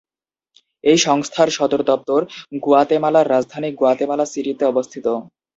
এই সংস্থার সদর দপ্তর গুয়াতেমালার রাজধানী গুয়াতেমালা সিটিতে অবস্থিত।